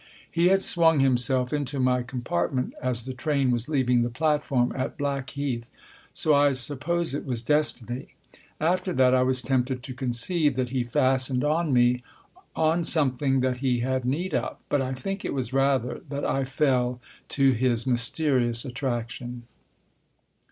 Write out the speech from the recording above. He had swung himself into my com partment as the train was leaving the platform at Black heath ; so I suppose it was destiny. After that I was tempted to conceive that he fastened on me as on something that he had need of ; but I think it was rather that I fell to his mysterious attraction.